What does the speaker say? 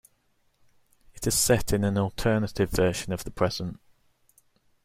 It is set in an alternate version of the present.